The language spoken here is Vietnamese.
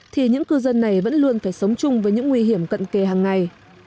thì những cư dân này vẫn luôn phải sống chung với những nguy hiểm cận kề hàng ngày